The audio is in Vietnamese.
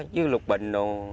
với lục bình